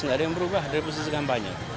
nggak ada yang berubah dari posisi kampanye